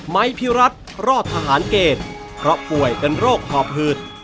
มัยพิรัตรรอดทหารเกษเพราะป่วยกันโรคพอพืช